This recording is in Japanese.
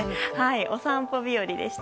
お散歩日和でした。